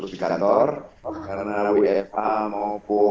sibuk di selama pandemi ini pak semakin banyak kerjaannya wfa kesehatan bagaimana pak